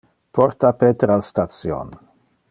Porta Peter al station.